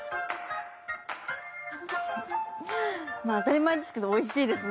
当たり前ですけど美味しいですね。